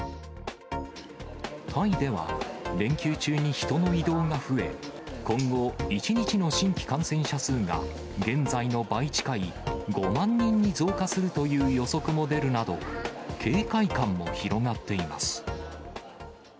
タイでは、連休中に人の移動が増え、今後、１日の新規感染者数が、現在の倍近い５万人に増加するという予測も出るなど、警戒感も広がっています。